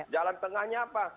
jalan tengahnya apa